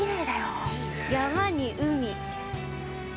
◆山に海。